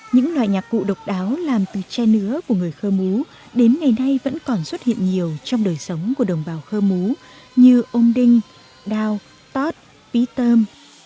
những loại nhạc cụ độc đáo làm từ tre nứa của người khơ mú đến ngày nay vẫn còn xuất hiện nhiều trong đời sống của đồng bào khơ mú như ôm đinh đao tót pí tơm